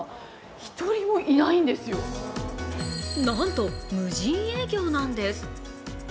なんと、無人営業なんです。